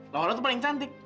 lohoran tuh paling cantik